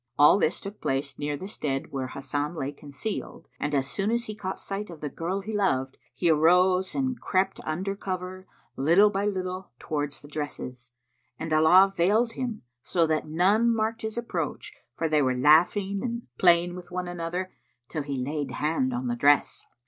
All this took place near the stead where Hasan lay concealed, and as soon as he caught sight of the girl he loved, he arose and crept under cover, little by little, towards the dresses, and Allah veiled him so that none marked his approach for they were laughing and playing with one another, till he laid hand on the dress.